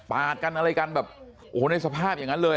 กันอะไรกันแบบโอ้โหในสภาพอย่างนั้นเลย